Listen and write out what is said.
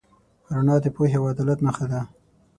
رڼا د پوهې او عدالت نښه ده.